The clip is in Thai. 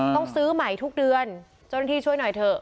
ต้องซื้อใหม่ทุกเดือนเจ้าหน้าที่ช่วยหน่อยเถอะ